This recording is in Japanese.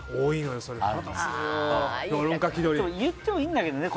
言ってもいいんだけどね。